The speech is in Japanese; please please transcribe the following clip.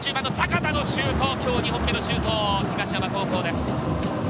１０番の阪田のシュート、２本目のシュート、東山高校です。